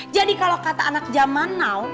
kalau kata anak zaman now